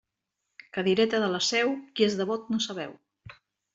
Cadireta de la Seu, qui és devot no sabeu.